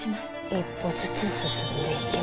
「一歩ずつ進んでいきます」